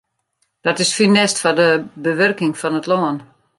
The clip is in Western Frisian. Dat is funest foar de bewurking fan it lân.